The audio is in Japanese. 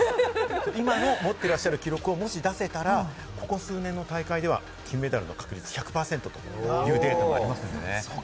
今の持ってらっしゃる記録を出せたら、ここ数年の大会では金メダルの確率１００％というデータもありますからね。